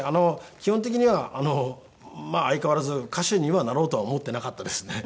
基本的にはまあ相変わらず歌手にはなろうとは思ってなかったですね。